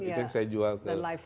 itu yang saya jual ke